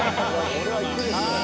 これは行くでしょ。